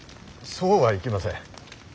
そうはいきません。